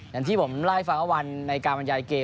อย่างที่ผมเล่าให้ฟังว่าวันในการบรรยายเกม